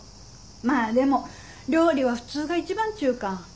まあでも料理は普通が一番ちいうか。